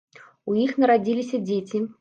У іх нарадзіліся дзеці.